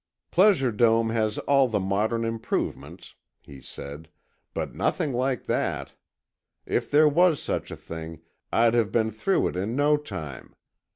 "Pleasure Dome has all the modern improvements," he said, "but nothing like that. If there was such a thing, I'd have been through it in no time.